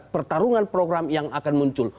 pertarungan program yang akan muncul